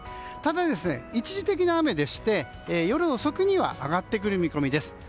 ただ、一時的な雨でして夜遅くには上がってくる見込みです。